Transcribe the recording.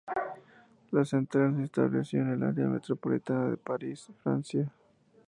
La central se estableció en el área metropolitana de Paris, Francia.